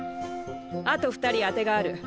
あと２人当てがある。